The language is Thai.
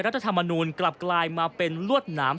ธรรมนูลกลับกลายมาเป็นลวดหนาม